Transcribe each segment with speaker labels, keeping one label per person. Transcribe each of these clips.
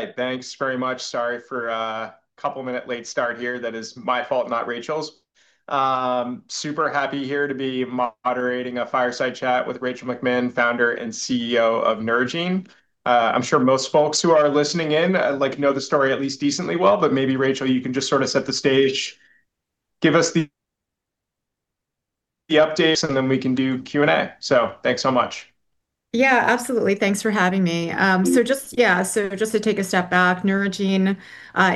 Speaker 1: All right, thanks very much. Sorry for a couple minute late start here. That is my fault, not Rachel's. Super happy here to be moderating a fireside chat with Rachel McMinn, Founder and CEO of Neurogene. I'm sure most folks who are listening in, like, know the story at least decently well, but maybe Rachel, you can just sort of set the stage, give us the updates, and then we can do Q&A. Thanks so much.
Speaker 2: Yeah, absolutely. Thanks for having me. To take a step back, Neurogene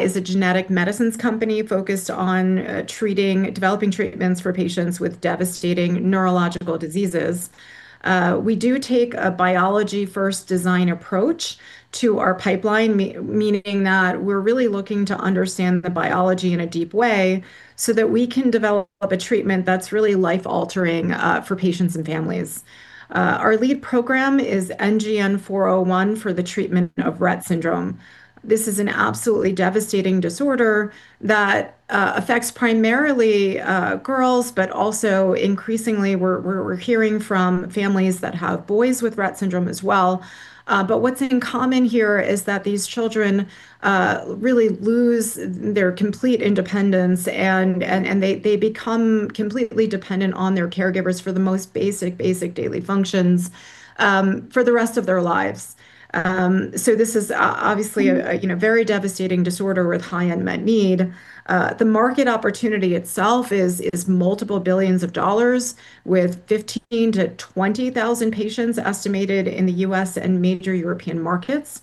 Speaker 2: is a genetic medicines company focused on developing treatments for patients with devastating neurological diseases. We do take a biology-first design approach to our pipeline, meaning that we're really looking to understand the biology in a deep way so that we can develop a treatment that's really life-altering for patients and families. Our lead program is NGN-401 for the treatment of Rett syndrome. This is an absolutely devastating disorder that affects primarily girls, but also increasingly we're hearing from families that have boys with Rett syndrome as well. What's in common here is that these children really lose their complete independence and they become completely dependent on their caregivers for the most basic daily functions for the rest of their lives. This is obviously a, you know, very devastating disorder with high unmet need. The market opportunity itself is multiple billions of dollars with 15-20,000 patients estimated in the U.S. and major European markets.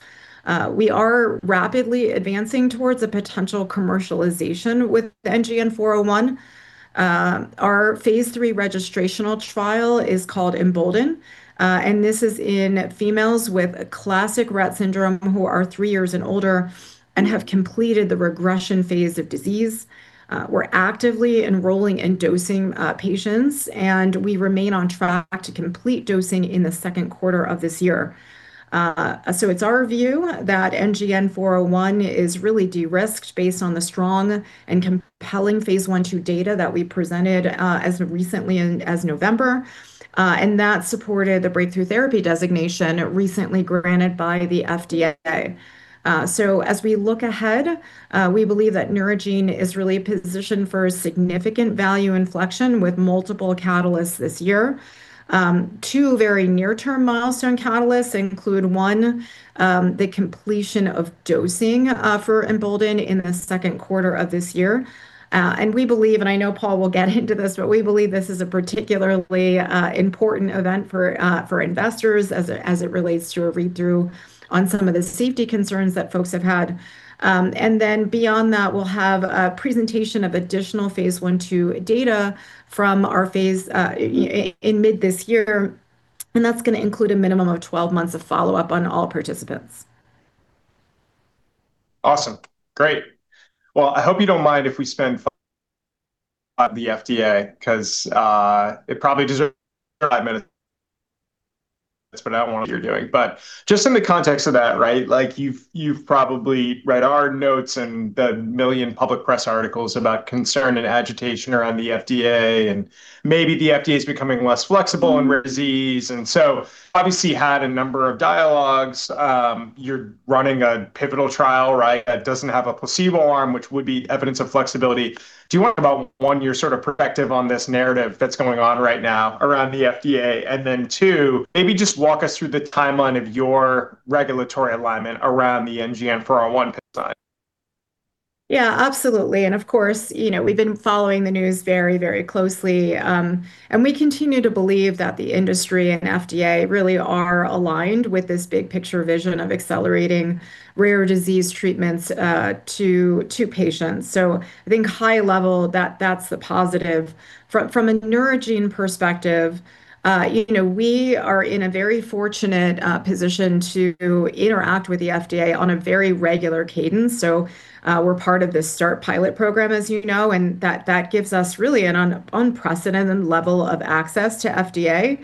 Speaker 2: We are rapidly advancing towards a potential commercialization with NGN-401. Our phase III registrational trial is called Embolden, and this is in females with classic Rett syndrome who are three years and older and have completed the regression phase of disease. We're actively enrolling and dosing patients, and we remain on track to complete dosing in the second quarter of this year. It's our view that NGN-401 is really de-risked based on the strong and compelling phase I and II data that we presented as recently as November and that supported a breakthrough therapy designation recently granted by the FDA. As we look ahead, we believe that Neurogene is really positioned for a significant value inflection with multiple catalysts this year. Two very near-term milestone catalysts include one, the completion of dosing for Embolden in the second quarter of this year. We believe, and I know Paul will get into this, but we believe this is a particularly important event for investors as it relates to a read-through on some of the safety concerns that folks have had. Beyond that, we'll have a presentation of additional phase I, II data from our phase in mid this year, and that's gonna include a minimum of 12 months of follow-up on all participants.
Speaker 1: Awesome. Great. Well, I hope you don't mind if we spend some time on the FDA because it probably deserves some minutes but I want to talk about what you're doing. Just in the context of that, right, like you've probably read our notes and a million public press articles about concern and agitation around the FDA, and maybe the FDA is becoming less flexible in rare disease. Obviously you had a number of dialogues. You're running a pivotal trial, right, that doesn't have a placebo arm, which would be evidence of flexibility. Do you want to talk about one, your sort of perspective on this narrative that's going on right now around the FDA? Two, maybe just walk us through the timeline of your regulatory alignment around the NGN-401 design.
Speaker 2: Yeah, absolutely. Of course, you know, we've been following the news very, very closely. We continue to believe that the industry and FDA really are aligned with this big picture vision of accelerating rare disease treatments to patients. I think high level, that's the positive. From a Neurogene perspective, you know, we are in a very fortunate position to interact with the FDA on a very regular cadence. We're part of the START Pilot program, as you know, and that gives us really an unprecedented level of access to FDA,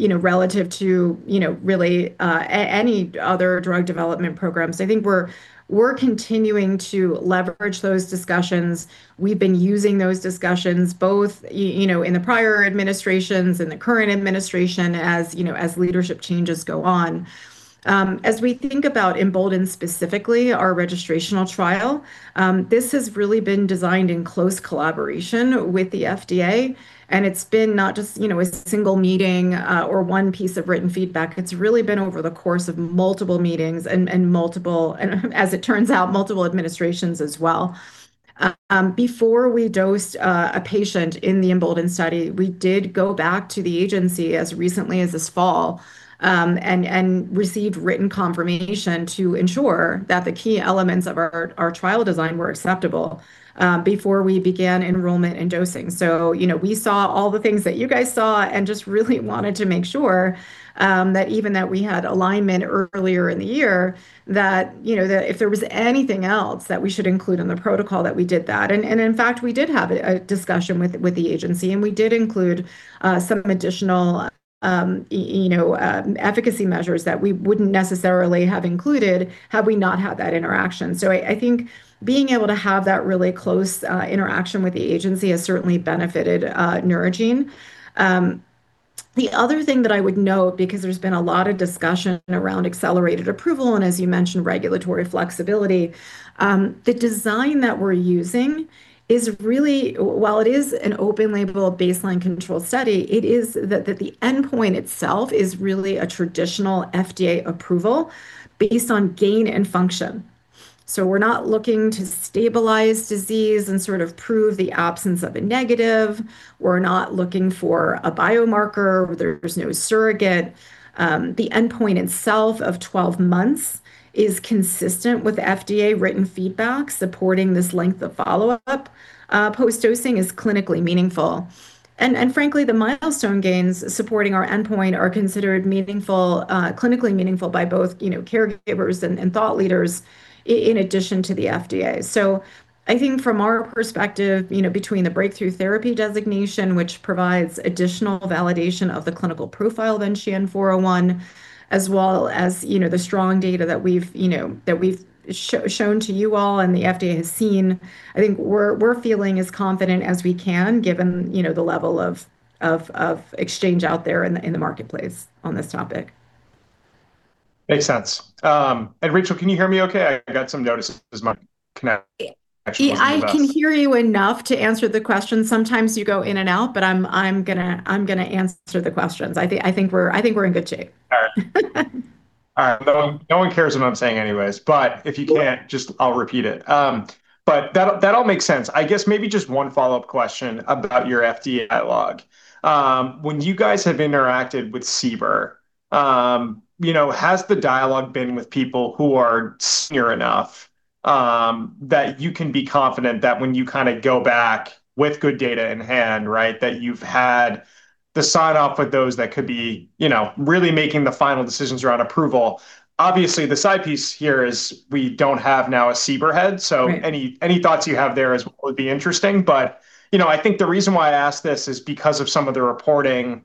Speaker 2: you know, relative to really any other drug development programs. I think we're continuing to leverage those discussions. We've been using those discussions both you know, in the prior administrations and the current administration as you know, as leadership changes go on. As we think about Embolden specifically, our registrational trial, this has really been designed in close collaboration with the FDA, and it's been not just, you know, a single meeting or one piece of written feedback. It's really been over the course of multiple meetings and multiple, and as it turns out, multiple administrations as well. Before we dosed a patient in the Embolden study, we did go back to the agency as recently as this fall and received written confirmation to ensure that the key elements of our trial design were acceptable before we began enrollment and dosing. you know, we saw all the things that you guys saw and just really wanted to make sure that even that we had alignment earlier in the year that, you know, that if there was anything else that we should include in the protocol that we did that. In fact, we did have a discussion with the agency, and we did include some additional, you know, efficacy measures that we wouldn't necessarily have included had we not had that interaction. I think being able to have that really close interaction with the agency has certainly benefited Neurogene. The other thing that I would note, because there's been a lot of discussion around Accelerated Approval and as you mentioned, regulatory flexibility, the design that we're using is really. While it is an open-label baseline-controlled study, it is that the endpoint itself is really a traditional FDA approval based on gain in function. We're not looking to stabilize disease and sort of prove the absence of a negative. We're not looking for a biomarker. There's no surrogate. The endpoint itself of 12 months is consistent with FDA written feedback supporting this length of follow-up post-dosing is clinically meaningful. Frankly, the milestone gains supporting our endpoint are considered meaningful, clinically meaningful by both, you know, caregivers and thought leaders in addition to the FDA. I think from our perspective, you know, between the Breakthrough Therapy designation, which provides additional validation of the clinical profile of NGN-401, as well as, you know, the strong data that we've, you know, that we've shown to you all and the FDA has seen, I think we're feeling as confident as we can given, you know, the level of exchange out there in the marketplace on this topic.
Speaker 1: Makes sense. Rachel, can you hear me okay? I got some notice as my connection actually-
Speaker 2: I can hear you enough to answer the question. Sometimes you go in and out, but I'm gonna answer the questions. I think we're in good shape.
Speaker 1: All right. No one cares what I'm saying anyways. I'll repeat it. That'll all make sense. I guess maybe just one follow-up question about your FDA log. When you guys have interacted with CBER, you know, has the dialogue been with people who are senior enough that you can be confident that when you kinda go back with good data in hand, right? That you've had the sign-off with those that could be, you know, really making the final decisions around approval. Obviously, the side piece here is we don't have now a CBER head.
Speaker 2: Right.
Speaker 1: Any thoughts you have there as well would be interesting. You know, I think the reason why I ask this is because of some of the reporting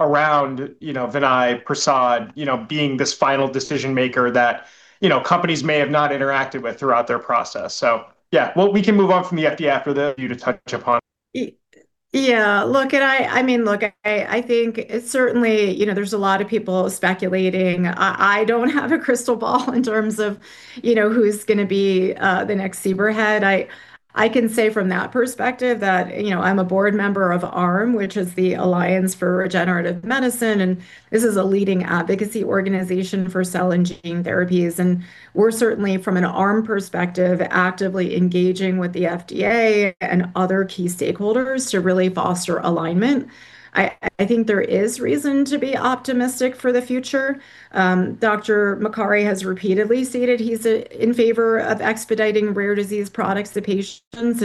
Speaker 1: around, you know, Vinay Prasad, you know, being this final decision maker that, you know, companies may have not interacted with throughout their process. Yeah. Well, we can move on from the FDA after that for you to touch upon.
Speaker 2: Yeah. Look, I mean, I think certainly, you know, there's a lot of people speculating. I don't have a crystal ball in terms of, you know, who's gonna be the next CBER head. I can say from that perspective that, you know, I'm a board member of ARM, which is the Alliance for Regenerative Medicine, and this is a leading advocacy organization for cell and gene therapies. We're certainly, from an ARM perspective, actively engaging with the FDA and other key stakeholders to really foster alignment. I think there is reason to be optimistic for the future. Dr. Makary has repeatedly stated he's in favor of expediting rare disease products to patients.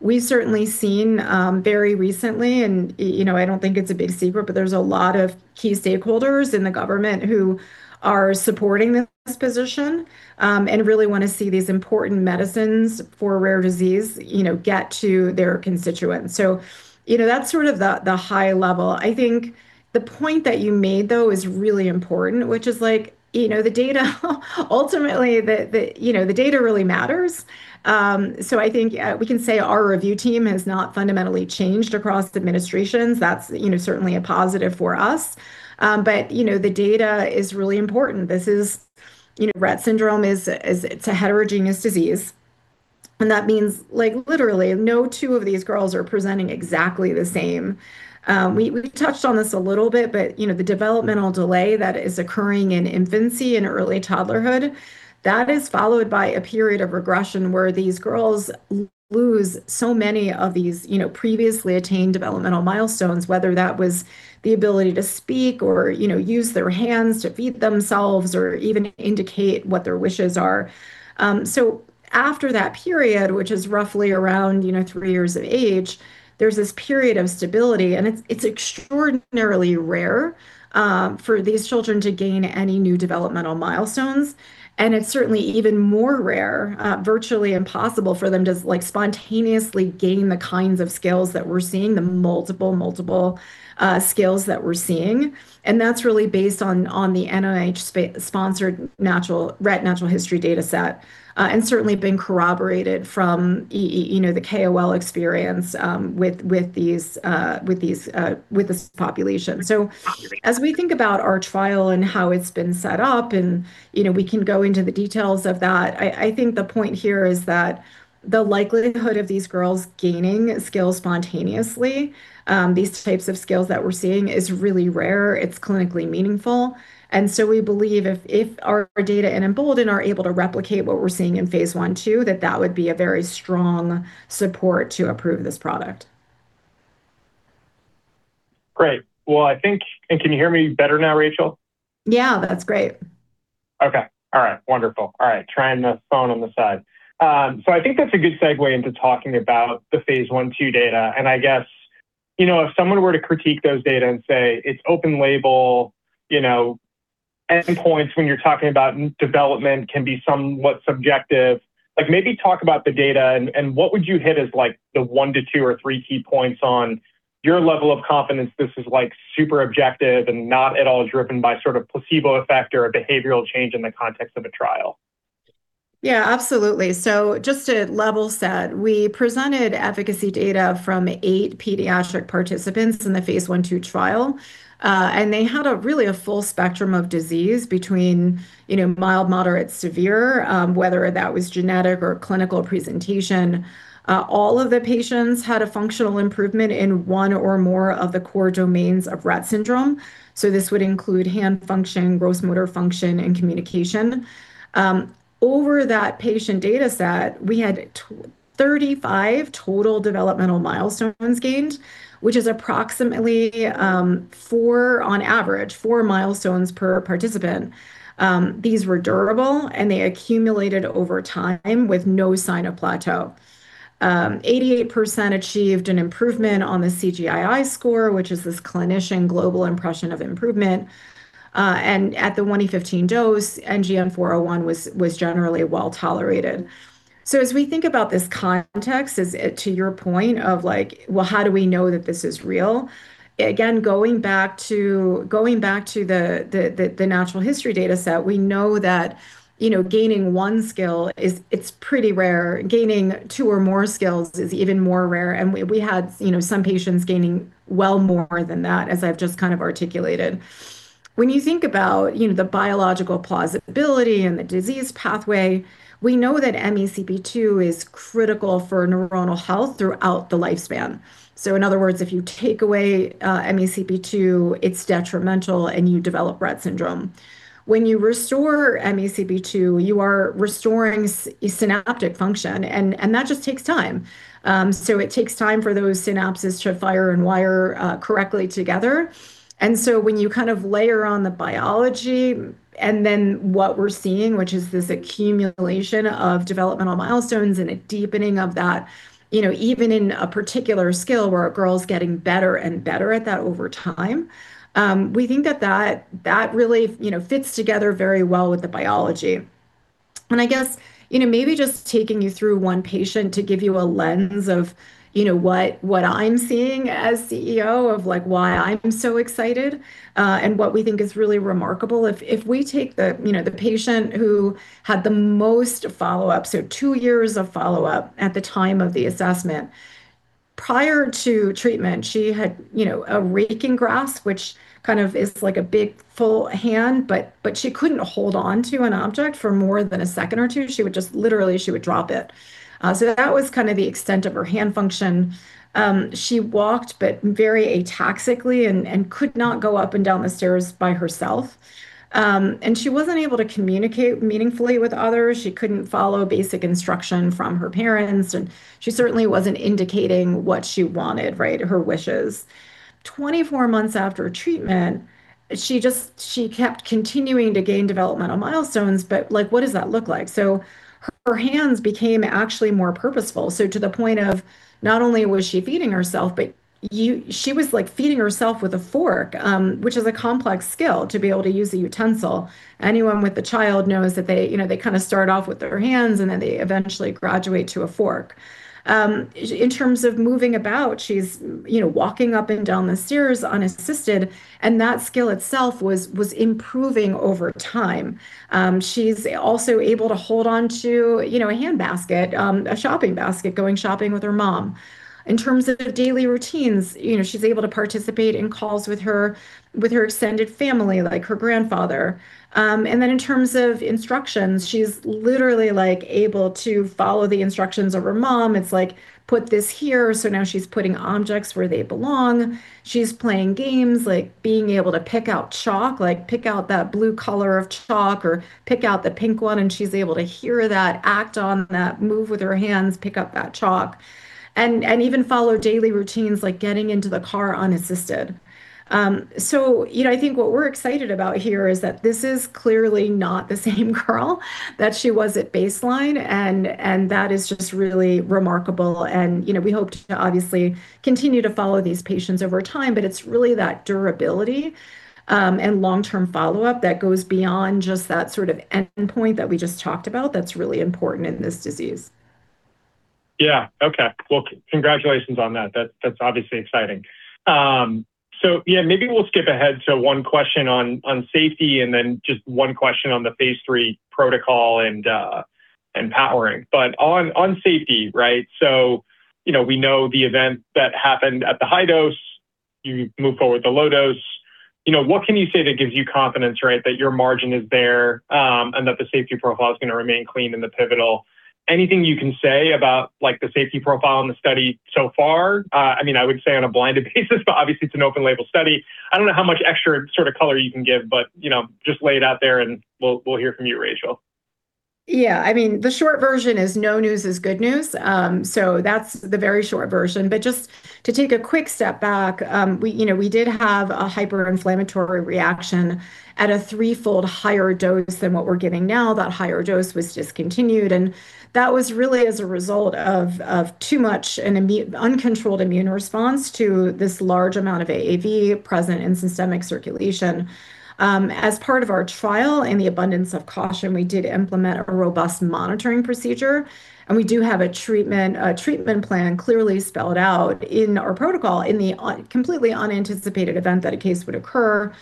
Speaker 2: We've certainly seen very recently, and, you know, I don't think it's a big secret, but there's a lot of key stakeholders in the government who are supporting this position, and really wanna see these important medicines for rare disease, you know, get to their constituents. You know, that's sort of the high level. I think the point that you made though is really important, which is like, you know, the data ultimately, you know, the data really matters. I think we can say our review team has not fundamentally changed across administrations. That's, you know, certainly a positive for us. You know, the data is really important. This is, you know, Rett syndrome is, it's a heterogeneous disease, and that means like, literally, no two of these girls are presenting exactly the same. We touched on this a little bit, but, you know, the developmental delay that is occurring in infancy and early toddlerhood, that is followed by a period of regression where these girls lose so many of these, you know, previously attained developmental milestones, whether that was the ability to speak or, you know, use their hands to feed themselves or even indicate what their wishes are. So after that period, which is roughly around, you know, three years of age, there's this period of stability, and it's extraordinarily rare for these children to gain any new developmental milestones. It's certainly even more rare, virtually impossible for them to like spontaneously gain the kinds of skills that we're seeing, the multiple skills that we're seeing. That's really based on the NIH-sponsored Rett Syndrome Natural History Study, and certainly been corroborated from you know the KOL experience with this population. As we think about our trial and how it's been set up and you know we can go into the details of that, I think the point here is that the likelihood of these girls gaining skills spontaneously these types of skills that we're seeing is really rare. It's clinically meaningful. We believe if our data in Embolden are able to replicate what we're seeing in phase I and II that would be a very strong support to approve this product.
Speaker 1: Great. Well, can you hear me better now, Rachel?
Speaker 2: Yeah, that's great.
Speaker 1: Okay. All right. Wonderful. All right. Trying the phone on the side. I think that's a good segue into talking about the phase I and II data. I guess, you know, if someone were to critique those data and say it's open label, you know, endpoints when you're talking about development can be somewhat subjective. Like maybe talk about the data and what would you hit as like the one to two or three key points on your level of confidence this is like super objective and not at all driven by sort of placebo effect or a behavioral change in the context of a trial?
Speaker 2: Yeah, absolutely. Just to level set, we presented efficacy data from eight pediatric participants in the phase I and II trial, and they had a really full spectrum of disease between, you know, mild, moderate, severe, whether that was genetic or clinical presentation. All of the patients had a functional improvement in one or more of the core domains of Rett syndrome. This would include hand function, gross motor function, and communication. Over that patient data set, we had 25 total developmental milestones gained, which is approximately four on average, four milestones per participant. These were durable, and they accumulated over time with no sign of plateau. 88% achieved an improvement on the CGI-I score, which is this clinician global impression of improvement. At the 1E15 dose, NGN-401 was generally well-tolerated. As we think about this context, is it to your point of, like, well, how do we know that this is real? Again, going back to the natural history dataset, we know that, you know, gaining one skill is pretty rare. Gaining two or more skills is even more rare, and we had, you know, some patients gaining well more than that, as I've just kind of articulated. When you think about, you know, the biological plausibility and the disease pathway, we know that MECP2 is critical for neuronal health throughout the lifespan. In other words, if you take away MECP2, it's detrimental and you develop Rett syndrome. When you restore MECP2, you are restoring synaptic function and that just takes time. It takes time for those synapses to fire and wire correctly together. When you kind of layer on the biology and then what we're seeing, which is this accumulation of developmental milestones and a deepening of that, you know, even in a particular skill where a girl's getting better and better at that over time, we think that that really, you know, fits together very well with the biology. I guess, you know, maybe just taking you through one patient to give you a lens of, you know, what I'm seeing as CEO of, like, why I'm so excited, and what we think is really remarkable. If we take the, you know, the patient who had the most follow-up, so two years of follow-up at the time of the assessment. Prior to treatment, she had, you know, a raking grasp, which kind of is like a big, full hand, but she couldn't hold on to an object for more than a second or two. She would just literally drop it. So that was kind of the extent of her hand function. She walked, but very ataxically and could not go up and down the stairs by herself. She wasn't able to communicate meaningfully with others. She couldn't follow basic instruction from her parents, and she certainly wasn't indicating what she wanted, right? Her wishes. 24 months after treatment, she just, she kept continuing to gain developmental milestones, but, like, what does that look like? Her hands became actually more purposeful. To the point of not only was she feeding herself, but she was, like, feeding herself with a fork, which is a complex skill to be able to use a utensil. Anyone with a child knows that they, you know, they kind of start off with their hands, and then they eventually graduate to a fork. In terms of moving about, she's, you know, walking up and down the stairs unassisted, and that skill itself was improving over time. She's also able to hold on to, you know, a handbasket, a shopping basket going shopping with her mom. In terms of daily routines, you know, she's able to participate in calls with her, with her extended family, like her grandfather. In terms of instructions, she's literally, like, able to follow the instructions of her mom. It's like, "Put this here." Now she's putting objects where they belong. She's playing games, like being able to pick out chalk, like pick out that blue color of chalk or pick out the pink one, and she's able to hear that, act on that, move with her hands, pick up that chalk, and even follow daily routines like getting into the car unassisted. You know, I think what we're excited about here is that this is clearly not the same girl that she was at baseline, and that is just really remarkable. You know, we hope to obviously continue to follow these patients over time, but it's really that durability and long-term follow-up that goes beyond just that sort of endpoint that we just talked about that's really important in this disease.
Speaker 1: Yeah. Okay. Well, congratulations on that. That's obviously exciting. Yeah, maybe we'll skip ahead to one question on safety and then just one question on the phase III protocol and powering. On safety, right? You know, we know the event that happened at the high dose, you moved forward with the low dose. You know, what can you say that gives you confidence, right? That your margin is there, and that the safety profile is gonna remain clean in the pivotal. Anything you can say about, like, the safety profile in the study so far? I mean, I would say on a blinded basis, but obviously it's an open label study. I don't know how much extra sort of color you can give, but, you know, just lay it out there and we'll hear from you, Rachel.
Speaker 2: Yeah. I mean, the short version is no news is good news. That's the very short version. Just to take a quick step back, we, you know, we did have a hyper-inflammatory reaction at a threefold higher dose than what we're giving now. That higher dose was discontinued, and that was really as a result of too much an uncontrolled immune response to this large amount of AAV present in systemic circulation. As part of our trial in the abundance of caution, we did implement a robust monitoring procedure, and we do have a treatment plan clearly spelled out in our protocol in the completely unanticipated event that a case would occur.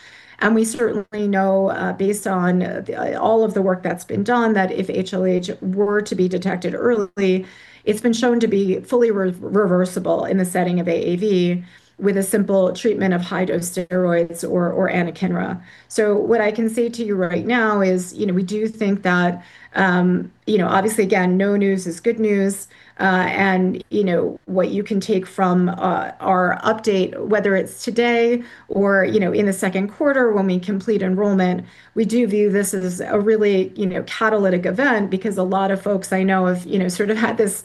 Speaker 2: We certainly know, based on all of the work that's been done that if HLH were to be detected early, it's been shown to be fully reversible in the setting of AAV with a simple treatment of high-dose steroids or Anakinra. What I can say to you right now is, you know, we do think that, you know, obviously again, no news is good news. You know, what you can take from our update, whether it's today or, you know, in the second quarter when we complete enrollment, we do view this as a really, you know, catalytic event because a lot of folks I know have, you know, sort of had this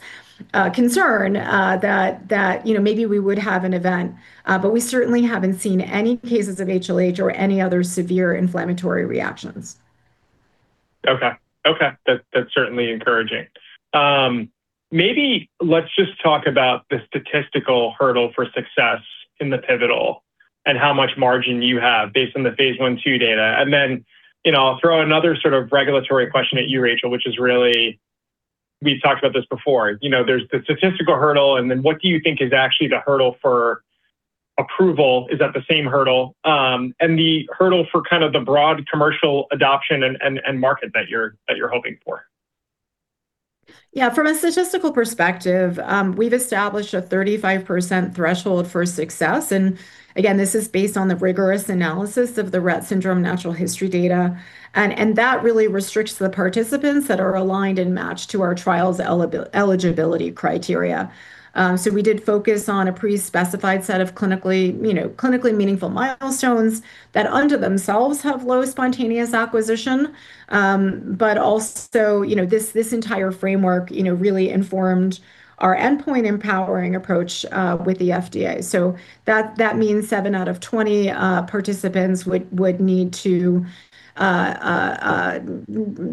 Speaker 2: concern that you know, maybe we would have an event. We certainly haven't seen any cases of HLH or any other severe inflammatory reactions.
Speaker 1: Okay. That's certainly encouraging. Maybe let's just talk about the statistical hurdle for success in the pivotal and how much margin you have based on the phase one, two data. Then, you know, I'll throw another sort of regulatory question at you, Rachel, which is really. We talked about this before. You know, there's the statistical hurdle and then what do you think is actually the hurdle for approval? Is that the same hurdle? And the hurdle for kind of the broad commercial adoption and market that you're hoping for.
Speaker 2: Yeah. From a statistical perspective, we've established a 35% threshold for success. Again, this is based on the rigorous analysis of the Rett syndrome natural history data. That really restricts the participants that are aligned and matched to our trial's eligibility criteria. We did focus on a pre-specified set of clinically, you know, clinically meaningful milestones that under themselves have low spontaneous acquisition. Also, you know, this entire framework, you know, really informed our endpoint empowering approach with the FDA. That means seven out of 20 participants would need to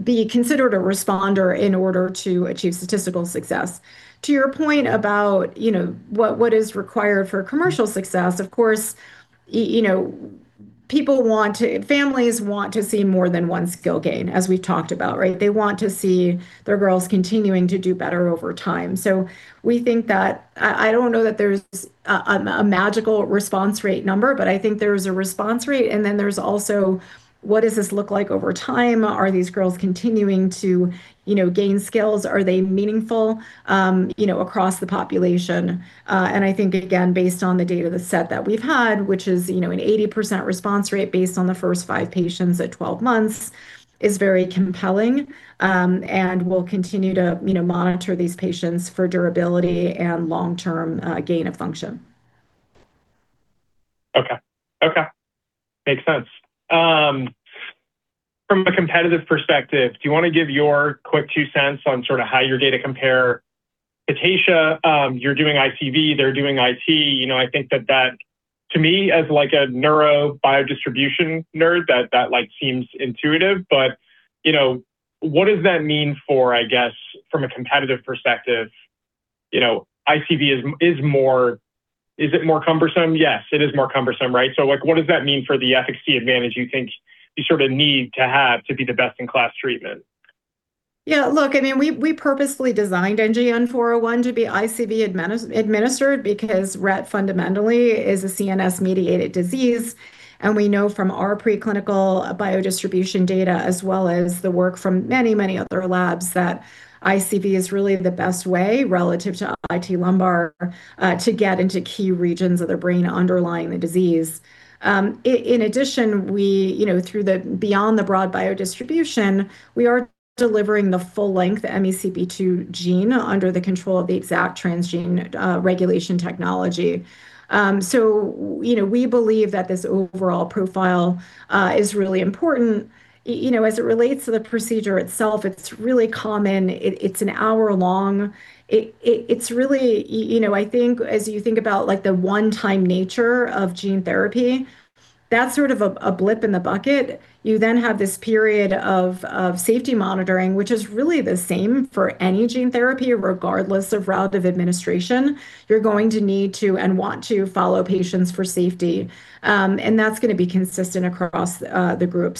Speaker 2: be considered a responder in order to achieve statistical success. To your point about, you know, what is required for commercial success, of course, you know, people want to. Families want to see more than one skill gain, as we've talked about, right? They want to see their girls continuing to do better over time. We think that I don't know that there's a magical response rate number, but I think there's a response rate and then there's also what does this look like over time? Are these girls continuing to, you know, gain skills? Are they meaningful, you know, across the population? I think again, based on the data set that we've had, which is, you know, an 80% response rate based on the first five patients at 12 months, is very compelling, and we'll continue to, you know, monitor these patients for durability and long-term gain of function.
Speaker 1: Okay. Makes sense. From a competitive perspective, do you wanna give your quick two cents on sort of how your data compare? Taysha, you're doing ICV, they're doing IT. You know, I think that, to me, as like a neuro biodistribution nerd, that like seems intuitive but, you know, what does that mean for, I guess, from a competitive perspective, you know, ICV is more. Is it more cumbersome? Yes, it is more cumbersome, right? Like, what does that mean for the efficacy advantage you think you sort of need to have to be the best-in-class treatment?
Speaker 2: Yeah. Look, I mean, we purposely designed NGN-401 to be ICV administered because Rett fundamentally is a CNS-mediated disease. We know from our preclinical biodistribution data as well as the work from many other labs that ICV is really the best way relative to IT lumbar to get into key regions of the brain underlying the disease. In addition, we you know, beyond the broad biodistribution, we are delivering the full length MECP2 gene under the control of the EXACT transgene regulation technology. You know, we believe that this overall profile is really important. You know, as it relates to the procedure itself, it's really common. It's an hour long. It's really You know, I think as you think about like the one-time nature of gene therapy, that's sort of a blip in the bucket. You then have this period of safety monitoring, which is really the same for any gene therapy regardless of route of administration. You're going to need to and want to follow patients for safety. That's gonna be consistent across the group.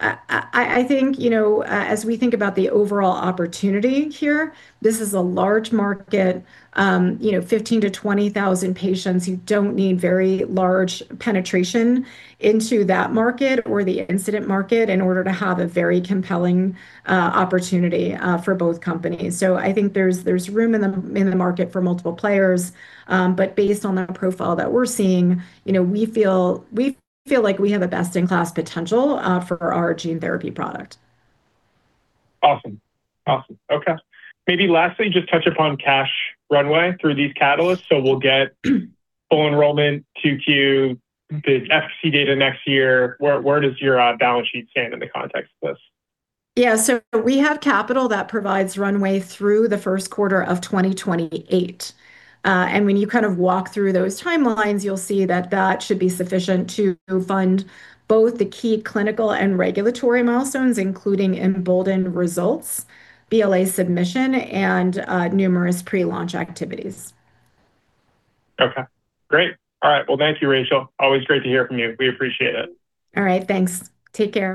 Speaker 2: I think, you know, as we think about the overall opportunity here, this is a large market, you know, 15,000-20,000 patients who don't need very large penetration into that market or the incumbent market in order to have a very compelling opportunity for both companies. I think there's room in the market for multiple players. Based on the profile that we're seeing, you know, we feel like we have a best-in-class potential for our gene therapy product.
Speaker 1: Awesome. Okay. Maybe lastly, just touch upon cash runway through these catalysts. We'll get full enrollment to queue the FC data next year. Where does your balance sheet stand in the context of this?
Speaker 2: We have capital that provides runway through the first quarter of 2028. When you kind of walk through those timelines, you'll see that that should be sufficient to fund both the key clinical and regulatory milestones, including Embolden results, BLA submission, and numerous pre-launch activities.
Speaker 1: Okay. Great. All right. Well, thank you, Rachel. Always great to hear from you. We appreciate it.
Speaker 2: All right. Thanks. Take care.